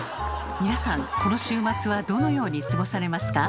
皆さんこの週末はどのように過ごされますか？